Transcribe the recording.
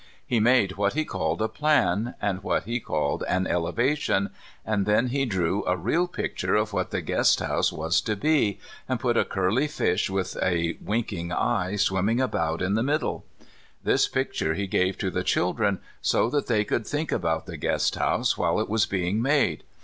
He made what he called a plan, and what he called an elevation, and then he drew a real picture of what the guest house was to be, and put a curly fish with a winking eye swimming about in the middle. This picture he gave to the children, so that they could think about the guest house while it was being made.